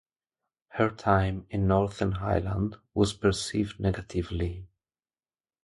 Her time in Northern Ireland was perceived negatively.